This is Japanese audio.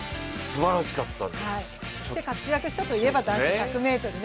活躍したといえば男子１００ｍ。